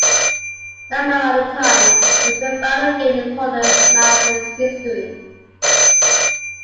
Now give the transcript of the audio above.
Not known at the time, it was the final game in Portland Mavericks' history.